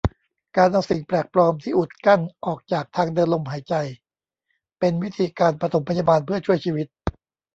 การเอาสิ่งแปลกปลอมที่อุดกั้นออกจากทางเดินลมหายใจเป็นวิธีการปฐมพยาบาลเพื่อช่วยชีวิต